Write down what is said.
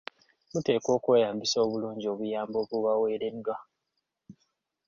Muteekwa okweyambisa obulungi obuyambi obubaweereddwa.